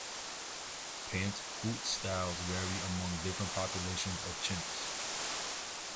Pant-hoot styles vary among different populations of chimps.